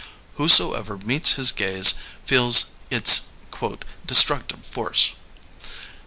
Whosoever meets his gaze feels its destructive force.